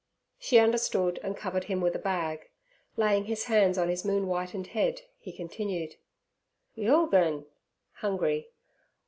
She understood and covered him with a bag. Laying his hands on his moon whitened head, he continued: 'Yulegrin (hungry).